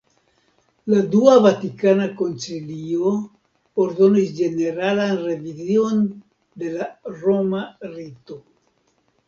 La Dua Vatikana Koncilio ordonis ĝeneralan revizion de la roma rito.